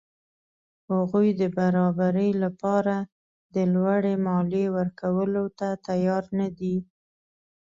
هغوی د برابرۍ له پاره د لوړې مالیې ورکولو ته تیار نه دي.